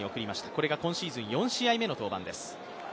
これが今シーズン４試合目の登板です。